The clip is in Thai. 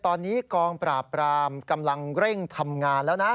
ตอนนี้กองปราบปรามกำลังเร่งทำงานแล้วนะ